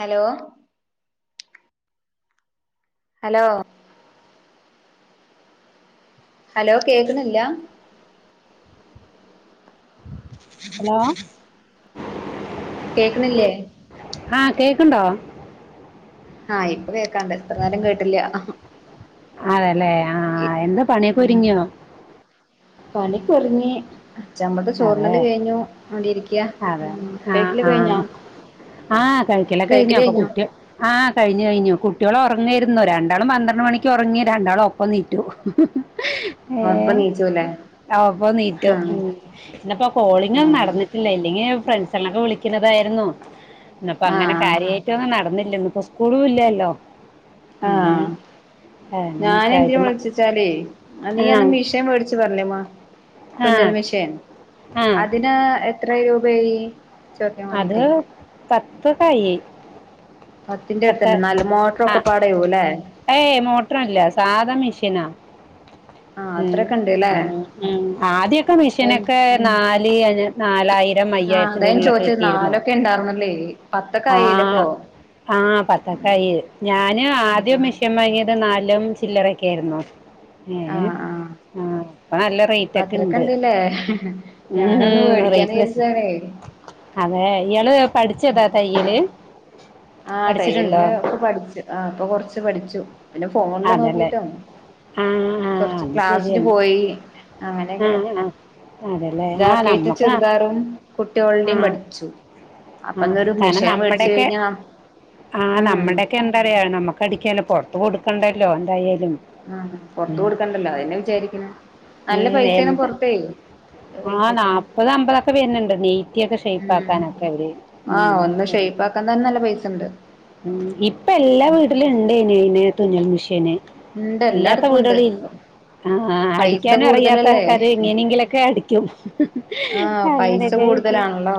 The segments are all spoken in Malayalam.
ഹലോ ഹലോ ഹലോ കേക്കണില്ല? ഹലോ [unintelligible] ആഹ് കേക്കണില്ലേ? ആഹ് കേക്ണ്ടോ? ആഹ് ഇപ്പൊ കേക്കാണ്ട് ഇത്ര നേരം കേട്ടില്ല അതെല്ലേ ആ ഏ എന്താ പണിയൊക്കെ ആഹ് ഒരുങ്ങിയോ പണി കൊർഞ്ഞി ഉച്ചമ്പാമ്മത്തെ അതെ ചോറിണല് കഴിഞ്ഞു അണ്ട് ഇരിക്യാ അതെ ഉം കഴിക്കില് കഴിഞ്ഞോ? ആഹ് കഴിക്കലകെ കഴിഞ്ഞു കഴിക്കല് അപ്പൊ കഴിഞ്ഞോ കുട്ടി ആഹ കഴിഞ്ഞു കഴിഞ്ഞു കുട്ടിയോൾ ഒറങ്ങയിരുന്നോ രണ്ടാളും പന്ത്രണ്ട് മണിക്ക് ഒറങ്ങി രണ്ടാളും ഒപ്പം നീറ്റു [unintelligible] ഏഹ് നീച്ചുല്ലേ അവപ്പോ നീറ്റോ ആഹ് ഇന്നപ്പോ കോളിങ്ങൊന്നും ആഹ് നടന്നിട്ടില്ല ഇല്ലെങ്കി ഫ്രണ്ട്സളൊക്കെ വിളിക്കുന്നതായിരുന്നു. ഇപ്പ അങ്ങനെ ആഹ് കാര്യയിട്ടോന്നും നടന്നില്ല ഇന്നിപ്പോ സ്കൂളും ഇല്ലല്ലോ? ഉം ആഹ് ഞാൻ അങ്ങനെയൊക്കെ എന്തിന ആയിട്ട് മ- വിളിച്ചച്ചാലേ അന്ന് ഞാനെ മിഷേൻ മേടിച്ചച്ച് പറഞ്ഞില്ലേമ്മ ആ ആ തുന്നൽ മെഷൈൻ ആ അതിന് എത്ര രൂപായി? അത് പത്ത് കൈ പത്തിന്റെ അടുത്തുണ്ട് നല് മോട്ടറൊക്കെ പാടയൂ അല്ലേ? ഏയ് മോട്ടറല്ല സാധാ മെഷീനാ ആഹ് ഉ അത്രൊക്കെ ഇണ്ട്ല്ലേ ആഹ് ആദ്യൊക്കെ ആഹ് മെഷീനൊക്കെ നാല് അ നാലായിരം അതാ അയ്യായിരത്തിന്റെ ഞാൻ ഉള്ളിലൊക്കെ ചോദിച്ചത് കിട്ടിയിരുന്നു. നാലൊക്കെ ഇണ്ടാർന്നല്ലേ പത്തൊക്കെ ആഹ് ആയില്ലേപ്പോ ആഹ് പത്തൊക്കായി ഞാനും ആദ്യം ആഹ് മെഷീൻ വാങ്ങിയ നാലും ചില്ലറൊക്കേർന്നു ഏ ആഹ് ആഹ് ഇപ്പ നല്ല അപ്പൊ അത്രൊക്കെ റൈറ്റൊക്കെണ്ട് ഇണ്ട്ല്ലേ ഉം ഞാനൊന്ന് മേടിക്കാന്ന് റൈറ്റൊ വിചാരിച്ചതാണേ അതെ ഇയാള് പഠിച്ചോ താ തയ്യല് ആഹ് പഠിച്ചിട്ടുണ്ടോ തയ്യലിന് ഇപ്പൊ പഠിച്ചു ആഹ് ഇപ്പൊ കൊറച്ച് പഠിച്ചു പിന്നെ ഫോണില് അതല്ലേ നോക്കീട്ടും ആ ആ കൊറച്ച് അത് ക്ലാസ്സിന് ശരിയാണ് പോയി ആ അങ്ങനെയൊക്കെ ആ അതെല്ലേ ആ ജാക്കേറ്റും നമ്മക്ക് ആ ചുരിദാറും ആ കുട്ടികളുടിം പഠിച്ചു അപ്പെന്നൊരു മിഷീൻ മേടിച്ചു കഴിഞ്ഞാ ആഹ് ഉം നമ്മുടെയൊക്കെ എന്താറിയാ നമ്മുക്ക് അടിക്കാലോ പൊറത്ത് കൊടുക്കണ്ടല്ലോ എന്തായാലും ആഹ് പൊറത്ത് ഉം കൊടുക്കണ്ടല്ലോ അതെന്നെ വിചാരിക്ക്ണേ നല്ല പൈസേണ് പൊറത്തേ നല്ല പൈസ ആഹ് വെച്ചിട്ടാ നാപത് അമ്പതൊക്കെ വരുന്നുണ്ട് നെയ്റ്റിയൊക്കെ ഉം ഷൈപ്പാക്കാനൊക്കെ അവര് ആഹ് ഉം ഒന്ന് ഷെയ്പ്പാക്കാൻ തന്നെ നല്ല പൈസണ്ട് ഉം ഇപ്പെല്ലാ വീട്ടിലും ഇണ് [unintelligible] തുന്നൽ മിഷീന് ഇണ്ട് ഇല്ലാത്ത എല്ലായിടത്തും ഉണ്ട് വീടുകളില്ല ആഹ് പൈസ അടിക്കാനും അറിയാത്ത കൂടുതലല്ലേ ആൾകാര് എങ്ങനെയെങ്കിലൊക്കെ അടിക്കും അങ്ങനൊക്കെ മൊതലാണല്ലോ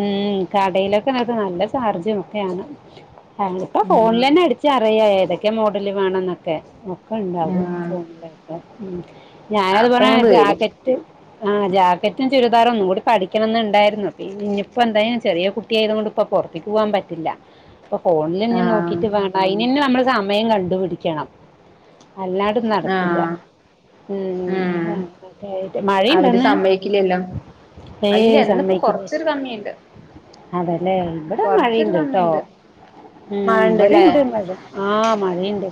ഉം കടയിലൊക്കെ ഇങ്ങക്ക് നല്ല ചാർജും ഒക്കെയാണ് ആഹ് ഇപ്പോ ഉം ഫോണിലെന്നെ അടിച്ചാ അറിയാ ഏതൊക്കെ മോഡല് വേണന്നൊക്കെ ഒക്കെ ഇണ്ടാകും ആഹ് ഫോണിലൊക്കെ ഉം ഞാനത് അപ്പൊ ഞാൻ പറഞ്ഞാ പേടിക്കും ജാക്കറ്റ് ആഹ് ജാക്കറ്റും ചുരിദാറും ഒന്നു കൂടി പഠിക്കണം ന്ന്ണ്ടായിരുന്നു ഇനിയിപ്പോ എന്തായാലും ചെറിയ കുട്ട കുട്ടി ആയതോണ്ട് ഇപ്പം പൊറത്തക്ക് പോവാൻ പറ്റില്ല ഇപ്പൊ ഫോണില് ഇങ്ങനെ ആഹ് നോക്കിട്ട് വേ അയിനെന്നെ നമ്മള് സമയം കണ്ടുപിടിക്കണം അല്ലാണ്ടൊന്നും നടക്കില്ല ആഹ് ഉം അങ്ങനെക്കായിട്ട് അവര് മഴയുണ്ടന്ന് സമ്മയിക്കില്ലല്ലോ ഇല്ല ഏയ് ഇന്നിപ്പോ സമ്മയ്ക്കൂല കൊറച്ചൊരു കമ്മിയുണ്ട് അതല്ലേ ഇവിടെ കൊറച്ചൊരു മഴയുണ്ട് ട്ടോ കമ്മിയുണ്ട് ഉം മഴ ഇണ്ട്ല്ലേ ഇവിടിണ്ട് മഴ ആഹ് മഴയിണ്ട്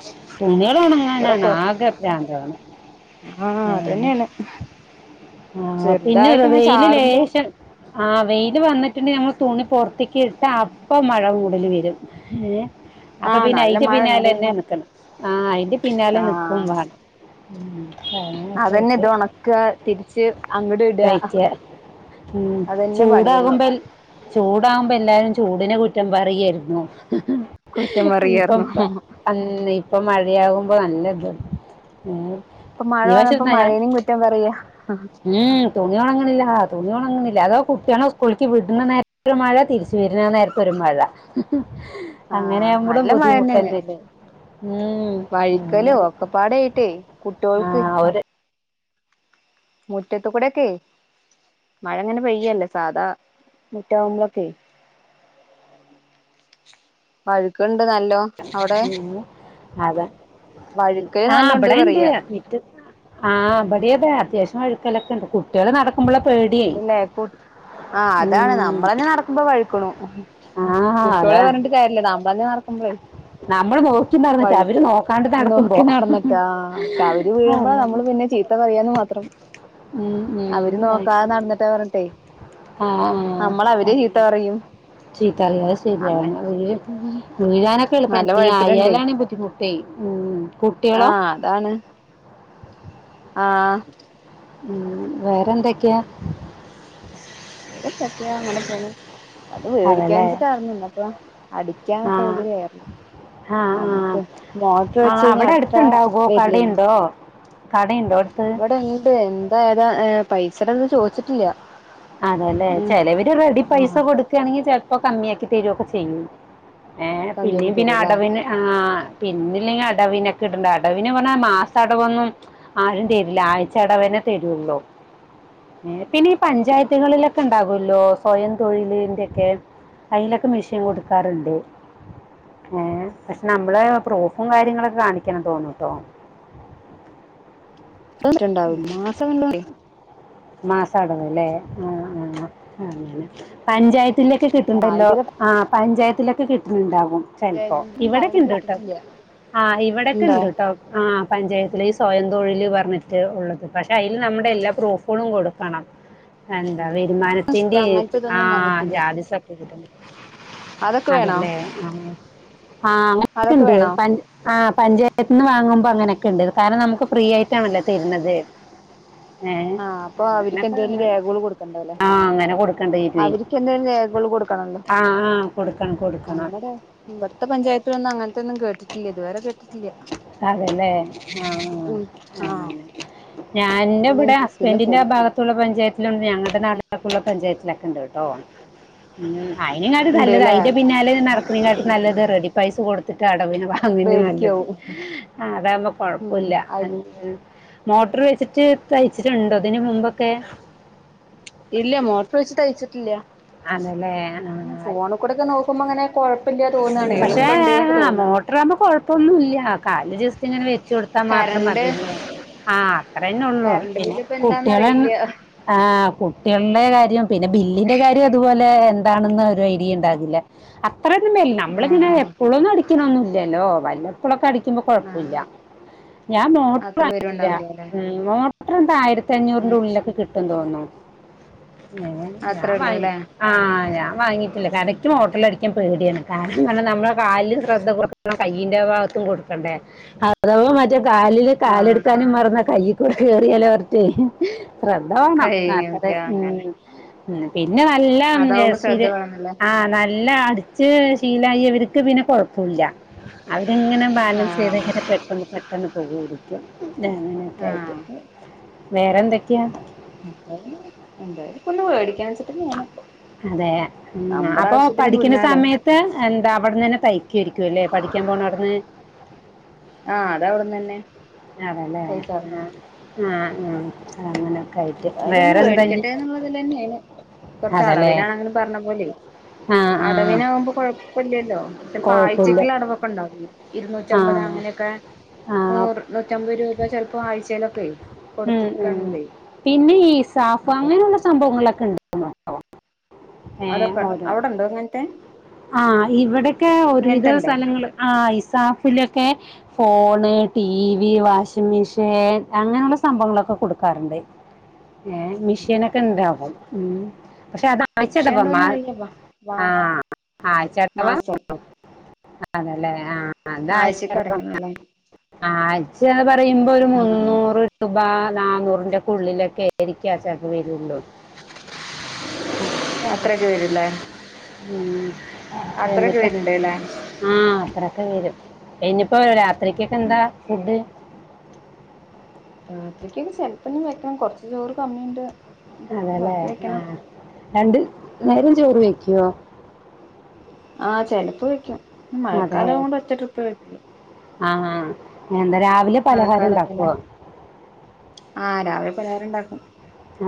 ഇവിടെ തുണികളൊണങ്ങാനാണ് കൊറ ആകെ ഭ്രാന്താക്ണെ ആഹ് അതെന്നെയാണ് ആഹ് പിന്നെ വെയില് ചാറുമ്പോ ലേശം ആഹ് വെയിൽ വന്നിട്ട്ണ്ടെകി ഞമ്മൾ തുണി പൊറത്ത്ക്ക് ഇട്ടാ അപ്പം മഴ മൂടല് വരും ഏഹ് അപ്പം ആഹ് പിന്നെ നല്ല അയിന്റെ മഴ പിന്നാലെന്നെ ഇണ്ടേനി നിക്കണം ആഹ് അയിന്റെ പിന്നാലെ ആഹ് നിക്കുംവാണം ഉം അതന്നെ [unintelligible] ഇത് ഒണക്ക തിരിച്ച് അങ്ങട് ഇടാ തഴിക്ക ഉം അതന്നെ പണിയുള്ളു ചൂടാകുമ്പോ എൽ ചൂടാകുമ്പെ എല്ലാരും ചൂടിനെ കുറ്റം പറിയേരുന്നു. കുറ്റം ഇപ്പം പറയാർന്നു അൻ ഇപ്പം മഴയാകുമ്പോ നല്ല ത് ഉം ഇപ്പൊ മഴ വന്നപ്പോ മഴേനും [unintelligible] കുറ്റം പറയാ ഉം തുണി ഒണങ്ങ്ണില്ല തുണി ഒണങ്ങ്ണില്ല അതോ കുട്ട്യളെ സ്കൂൾക്ക് വിട്ണ നേ ഒരു മഴ തിരിച്ച് വര്ണ ആഹ് നേരത്തൊരു മഴ. ആഹ് അങ്ങനെയാവുമ്പളും നല്ല മഴന്നെയാണ് ബുദ്ധിമുട്ടെന്നല്ലേ? ഉം വഴിക്കലും [unintelligible] ഒക്കപ്പാടായിട്ടേ കുട്ടിയോൾക്ക് ആഹ് ഒര് മൂറ്റത്ത് കുടക്കെ മഴ ഇങ്ങനെ പെയ്യല്ലേ സാധാ മുറ്റാവുമ്പളൊക്കെ വഴ്ക്ക്ണ്ട് നല്ലോ അവിടെ ഉം അതാ ഉം വഴുക്കല് ആഹ് നല്ലോണ്ട് ഇബടെണ്ട് പറയാ മിറ്റത്താ ആഹ് ഇബടിം അതെ അത്യാവശ്യം വഴുക്കലക്കെണ്ട് കുട്ട്യള് നട ക്കുമ്പളാ പേടി ഇണ്ട്ല്ലേ കു ആഹ് അതാണ് നമ്മളന്നെ നടക്കുമ്പോ വഴിക്ക്ണു ആ കുട്ടോളെ അതാ പറഞ്ഞിട്ട് കാര്യല്ല നമ്മളന്നെ നടക്കുമ്പളേ നമ്മൾ നോക്കി നടന്നിട്ട് അവര് വഴ്ക്ക നോക്കാണ്ട് നടക്കുമ്പോ നോക്കി നട്ന്ന്ട്ട് ആഹ് പക്ഷെ അവര് വീഴുമ്പോ അങ്ങനെ. നമ്മള് പിന്നെ ചി ത്ത പറയാന്ന് മാത്രം ഉം ഉം ആതേ നട്ന്ന്ട്ട് പർഞ്ഞ്ട്ടെ ആഹ് ആഹ് പറയും [unintelligible] ചീത്താറിയ അഹ് അങ്ങനെ ശരിയാണ് വല്യ വീഴാനൊക്കെ എളുപ്പ നല്ല വഴുക്കലുണ്ടേ അയാലാണ് ബുദ്ധിമുട്ടേ ഉം ആ കുട്ട്യളോ. അതാണ് ആഹ് ഉം വേറെ എന്തൊക്കെയാ? [unintelligible] ഇങ്ങനെ പോണ് അത് മേടിക്കാൻ അതല്ലേ വെച്ചിട്ട് [unintelligible] പ്പം അടിക്കാൻ ആ സൗകര്യ ആയ ആഹ് ആഹ് വെച്ച് ആഹ് കഴിഞ്ഞാ അവടെ അത്ര അട്ത്ത്ണ്ടാവോ വരില്ലല്ലോ കടിണ്ടോ? കടിണ്ടോ എട്ത്ത്? [unintelligible] എന്താ ഏതാ ഏഹ് പൈസട ഒന്നും ചോദിച്ചിട്ടില്ല. അതെല്ലെ ഉം ചെലവര് റെഡി പൈസ ആ കൊടുക്കാണെങ്കിൽ ചെൽപ്പോ കമ്മി ആക്കി തരുക്കെ ചെയ്യും. ഏഹ് പിന്നേം കമ്മിയാക്കി പിന്നെ തരൂല്ലേ അടവ്ന് ആഹ് പിന്നല്ലെങ്കി അടവ്നൊക്കെ ഇട്ണ്ട അടവിനെ പർഞ്ഞാ മാസ അടവൊന്നും ആരും തര്ല ആഴ്ചടവന്നെ തരുള്ളൂ ഏഹ് പിന്നെ ഈ പഞ്ചായ ത്ത് കളിലക്കെ ഇണ്ടാകല്ലോ സ്വയം തൊഴിലിന്റെക്കെ അയിലക്കെ മെഷിൻ കൊടുക്കാറുണ്ട്. ഏഹ് പക്ഷെ നമ്മള് പ്രൂഫും കാര്യങ്ങളൊക്കെ കാണിക്കണം തോന്നൂട്ടോ. [unintelligible] മാസ അടവ് ലേ ആഹ് ആഹ് അങ്ങനെ പഞ്ചായ ത്തിലെക്കെ കിട്ട്ണ്ടല്ലോ ആഴ്ചയിലെ ആഹ് പഞ്ചായത്തിലക്കെ കിട്ട്ണ്ടാവും. ചെൽപ്പം പഞ്ചായത്തിന്നും ഇവടെക്കെ പറയണ ഇണ്ട് ട്ടോ കേട്ടിട്ടില്ല ആഹ് ഇവടക്കെ ഉണ്ടോ ഇണ്ട്ട്ടോ. ആഹ് പഞ്ചായത്തില് ഈ സ്വയം തൊഴില് പർഞ്ഞി ട്ട് ഉള്ളത് പക്ഷെ അയിൽ നമ്മുടെ എല്ലാ പ്രൂഫുകളും കൊടുക്കണം. എന്താ വരുമാനത്തിന്റെ അങ്ങനത്തെ ഇതൊന്നും ആഹ് വന്നിട്ടില്ല ജാതി [unintelligible] അതൊക്കെ വേണോ അതല്ലേ ആഹ് ആഹ് അതൊക്കെ അങ്ങനെക്കണ്ട് വേണോ പ ആഹ് പഞ്ചായത്ത്ന്ന് വാങ്ങുമ്പോ അങ്ങനെക്കെ ണ്ട് കാരണം നമുക്ക് ഫ്രീ ആയിട്ടാണല്ലോ തരുന്നത്. ഏഹ് ആ അപ്പൊ അവർക്ക് [inaudible] എന്തേലും രേഖകൾ കൊടുക്കണ്ടാവല്ലേ ആഹ് ആങ്ങനെ കൊടുക്കണ്ടേരു അവർക്ക് എന്തേലും രേഖകൾ കൊടുക്കണല്ലോ ആഹ് ആഹ് കൊടുക്കണം കൊടുക്കണം ഞങ്ങടെ ഇവിടുത്തെ പഞ്ചായത്തിലൊന്നും അങ്ങനത്തെന്നും കേട്ടിട്ടില്ല ഇതുവരെ കേട്ടിട്ടില്ല അതല്ലേ ആഹ് ആഹ് ഉം ആ അങ്ങനെ ഞാൻന്റെ പിന്നെ ഇവിടെ പിന്നെ പോ ഹസ്ബൻറിന്റെ ഭാഗത്തുള്ള പഞ്ചായത്തിലുണ്ട് ഞങ്ങളടെ നാലുള്ള പഞ്ചായത്തിലൊക്കെ ഉണ്ടവിടെ ട്ടൊ അയിന് ങ്ങക്ക് നല്ലത് ഉണ്ട്ല്ലേ അയ്ന്റെ പിന്നാലെ നട ക്നാട്ട് നല്ലത് റെഡി പൈസ കൊടുത്തിട്ട് അടവിന് വാങ്ങന്നെ നല്ലത് പേടിക്കാവും ആഹ് അതാവുമ്പോ ഉം കൊഴപ്പില്ല ആയി മോട്ടർ വെച്ചിട്ട് തയ്ച്ചിട്ടുണ്ടോ തിന് മുമ്പൊക്കെ ഇല്ല മോട്ടർ വെച്ച് തയ്ച്ചിട്ടില്ല ആനല്ലേ ആഹ് കൂടക്ക നോക്കുമ്പോ ങ്ങനെ കുഴപ്പില്ല തോന്നാണ് എളുപ്പണ്ട്ന്നൊക്കെ തോന്നാ ത്രമ്പ കൊഴപ്പന്നുല്ല കാല് ജസ്റ്റ്ങ്ങനെ വെച്ചൊടുത്താ മാത്രം കറണ്ട് മതിന്ന് ആഹ് അത്രന്നെ ഉള്ളു കറണ്ട് പിന്നെ ബില്ല് ഇപ്പ കുട്ടിളെ എന്താന്നറിയില്ല ആഹ് കുട്ട്യൾടെ കാര്യം പിന്നെ ബില്ലിന്റെ കാര്യം അതുപോലെ എന്താണെന്ന് ഒരു ഐഡിയ ഉണ്ടാകില്ല അത്രത് മേൽന നമ്മള ഇങ്ങനെ ആഹ് എപ്പഴൊന്നും അടിക്കണൊന്നുംല്ലല്ലോ വല്ലപ്പഴൊക്കെ അടിക്കുമ്പോ ആഹ് കുഴപ്പല്ല ഞാൻ മോട്ടർ അത്ര വാങ്ങിട്ടില്ല പേരുണ്ടാവൂലേ അല്ലെ മോട്ടർ എന്ത ആയിരത്തി അഞ്ഞൂറിന്റെ ഉം ഉള്ളിലൊക്കെ കി ട്ടും തോന്നു ഞാൻ അത്രേ ഉള്ളൂ വാങ്ങി അല്ലേ ആഹ് ഞാൻ വാങ്ങയിട്ടില്ല കാരണ മോട്ടല അടിക്കാൻ പേടിയാണ് കാരണംന്നർഞ നമ്മളെ കാലും ശ്രദ്ധ കൊടുക്കണം കയ്യിന്റെ ഭാഗത്തും കൊടുക്കണ്ടേ അഥവാ മറ്റേ കാലില് ആഹ് കാലെടുക്കാനും മറന്ന കയ്ൽക്കൂടെ കേയറിയാലോ ഓർത്തെ ശ്രദ്ധ വണം നത്ര കഴിയുംക്ക അങ്ങനെ ഉം ഉം പിന്നെ നല്ലം അതാവുമ്പോ ശ്രദ്ധ എസ്പിരി വേണന്നില്ലേ ആഹ് നല്ല അടിച്ച് ശീലായവർക്ക് പിന്നെ കുഴ കുല്ല അവരിങ്ങനെ ബാലൻസ് ആഹ് ചെയ്ത്ങ്ങനെ പെട്ടെന്ന് പെട്ടെന്ന് പോകരു ഞ അനൊക്കെ ആയിട്ട് ആഹ് വേറെ എന്തൊക്കെയാ [unintelligible] എന്തായാലും ഇപ്പൊ ഒന്ന് വേടിക്കാ വെച്ച അതെ ഉം നമ്മടെ അപ്പൊ ആവശ്യത്തിന് പഠിക്ക്ണ തുന്നാലോ സമയ ത് എന്താ അവിട്ന്നെന്നെ തയ്ക്കുയിരിക്കും ല്ലേ പഠിക്കാൻ പോണവിടുന്ന് ആഹ് അത് അവിടന്ന് തന്നെ അതേലെ പൈസ പറഞ്ഞു ആഹ് ആഹ് അങ്ങനെയൊക്കെ ആയിട്ട് വേറെന്താ ത് നെന്നെന് കൊറച്ച് അതല്ലേ അടവിനാണ ങ്കിലു പറഞ്ഞ പോലെ ആ ആ അടവിനാകുമ്പോ കൊയ് പ്പല്ല്യല്ലോ കൊഴപ്പില്ല പായ്ചക്കുള്ള അടവൊക്കെ ഉണ്ടാകുന്നു ആ ഇരുന്നൂറ്റമ്പത് അങ്ങനെയൊക്കെ ആ നൂറ് നൂറ്റമ്പത് രൂപ ചെൽപ്പോ ആഴ്ചയിലൊക്കെ ഉം കൊടുത് ഉം പിന്നെ ഈ സാഫ അങ്ങനെയുള്ള സംഭവങ്ങളൊക്കെണ്ട് [unintelligible] ഏഹ് അതൊക്കെ ഓരോ അവിടെണ്ടോ അങ്ങനത്തെ ആഹ് ഇവിടെക്കെ ഒരുവിധ ഇങ്ങനത്തെ ഉണ്ടോ സ്ഥലങ്ങള് ആഹ് ഇസാഫിലൊക്കെ ഫോണ് ടി വി വാഷിംമിഷേൻ അങ്ങനെള്ള സംഭങ്ങളൊക്കെ കൊടുക്കാറുണ്ട് ഏഹ് മെഷനൊക്കെണ്ടാകും ഉം പഷേ അത [unintelligible] മാ വിഷയണ്ടോന്ന് അറിയവാ വാ ആഹ് മാസം [unintelligible] അതെല്ലേ ആഹ് അതാ ആഴ്ചക്ക് അടക്കണല്ലേ [inaudible] ആയ്ചെ പറയുമ്പോ ഒരു ആ മുന്നൂറ് രുബാ നാനൂറിന്റെ ക്കുള്ളിലൊക്കെശരിക്കച വരൊള്ളൂ [inaudible] [unintelligible] അത്രയൊക്കെ വരൂല്ലേ അത്രയൊക്കെ വരുന്നുണ്ട്ല്ലേ ആഹ അത്രൊക്കെ വരും, ഇനിയിപ്പോ രാത്രിരിക്കൊക്കെ- എന്താ ഫുഡ്? രാത്രികൊക്കെ ചെിലപ്പം ഞാൻ- വെക്കണം കൊറച്ച ചോറ് കമ്മിണ്ട്. അതെല്ലേ, ആഹ രണ്ട് നേരം ചോറ് വെക്കുവോ? ആഹ് ചിലപ്പ് വെക്കും, മഴക്കാല- ആഹാ കൊണ്ട് ഒറ്റ ട്രിപ്പ്‌ വെക്കല്ലോ. ആഹ ആാ എന്താ രാവിലെ. പലഹാരം മഴക്കാലക്കല്ലേ, ഉണ്ടാക്കുവോ ആഹ് രാവിലെ പലഹാരോക്കെ ഉണ്ടാക്കും.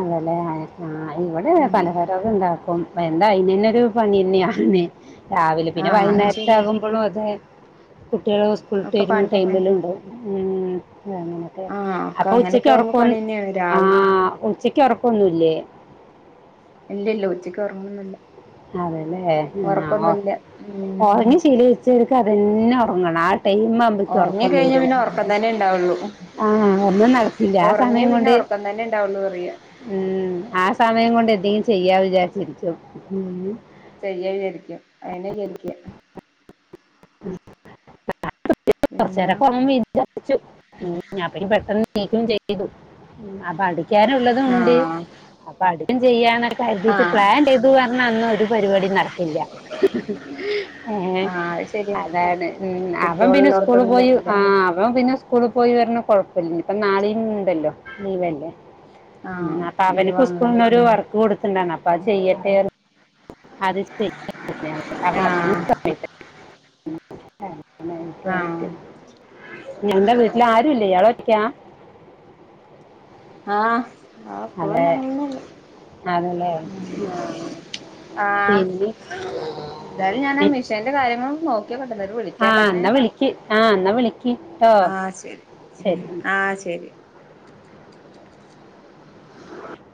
അതല്ലെ ആഹാ ഇവിടെ ഉം പല- ഉണ്ടാക്കും, എന്താ അയിന് തന്നെ- ഒരു പണി തന്നെയ ആന്ന് രാവിലെ. പിന്നെ ആഹ് അത് വൈകുന്നേരത്ത ശരിയാ ആകും. അപ്പോളും അതെ കുട്ടികൾ, സ്കൂളട്ട് ഒക്കെ വരുമ്പോ പണിയന്നെ ടൈമിലുണ്ട് അങ്ങനെ. ആഹ് ഒക്കെ അപ്പോ ഉച്ചക്ക് അങ്ങനെയൊക്കെ ആകുമ്പോ ഉറക്കൊ, പണിന്നെയാണ് ആ രാവിലിം ഉച്ചക്ക് ഉറക്കൊന്നില്ലേ. ഇല്ല, ഇല്ല, ഉച്ചയ്ക്ക് ഉറങ്ങണംന്നല്ല. അതല്ലേ ഹാ ഓ, ഉം ഓറഞ്ഞ ശി - ചരിക്കും അതന്നെ ഉറങ്ങണം, ആ ടൈം. ഒറങ്ങി കഴിഞ്ഞാ റകംവരും, പിന്നെ ഒറക്കം തന്നെ ഇണ്ടാവുള്ളൂ ആഹ ഒന്നും നടക്കില്ല ആ സമയം കൊണ്ട്. ഇപ്പം തന്നെ ഉണ്ടാവുള്ളൂ പറയുക. ഉം ആ സമയം കൊണ്ട്- എന്തെങ്കിലും ചെയ്യാ- വിചാരിച്ചിരിക്കും. ചെയ്യചരിക്കും അതന്നേ വിചാരിക്കാ. [unintelligible] എന്താ ഞപ്പ പെട്ടെന്ന് നീക്കക്കും ചെയ്തു, അടിക്കാനുംള്ളത്- ആഹാ... അപ്പോ അടം ചെയ്യാന്ന കെരുതിട്ട് പ്ലാൻ ചെയ്തു പറഞ്ഞാ അന്ന ഒരു പരിപാടി നടക്കില്ല. ഹേ ആഹ് അത് ശരിയാ അതെതെ ഉം അവൻ പിന്നെ സ്കൂള് കുട്ട്യോളുള്ളോടത്തൊന്നും പോയി, പറ്റില്ല ആഹാ അവൻ പിന്നെ- സ്കൂള പോയി വ കൊഴപ്പില്ല, ഇപ്പോ നാളീ ഉണ്ടല്ലോ ലീവല്ലേ. ഉം ആഹ് അപ്പോ അവന്- ലീവാണല്ലോ കുസ്കൂൾക്കൊരു വർക്ക്- കൊടുത്തിണ്ടാണ് അപ്പോ അത് ചെയ്യട്ടെ. ആഹ് [unintelligible] ആഹ് നിങ്ങളെ വീട്ടിൽ അരുല്ലേ ഇയാൾ ഒറ്റയാ? [unintelligible] ആഹ് ആപ്പഴ ഞങ്ങളൊന്നല്ല. ആണ് ല്ലേ ആഹാ ആഹ് പിന്നെ. ന്റെ കാര്യങ്ങള് നോക്കി. നോക്കിയിക്കട്ടെ എന്നിട്ട് ആ വിളിക്കാട്ടന്നെ എന്നാ വിളിക്ക് ആ എന്നാ വിളിക്ക് കേട്ടോ ആഹ ശരി ഉം ശരി ആഹ ശരി.